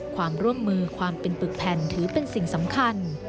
ความร่วมมือความเป็นปึกแผ่นถือเป็นสิ่งสำคัญ